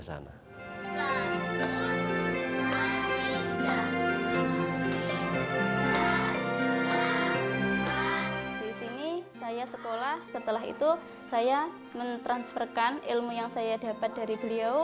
di sini saya sekolah setelah itu saya mentransferkan ilmu yang saya dapat dari beliau